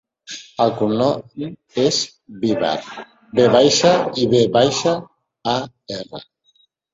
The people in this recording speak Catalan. El cognom és Vivar: ve baixa, i, ve baixa, a, erra.